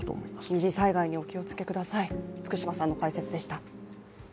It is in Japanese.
二次災害にお気をつけください。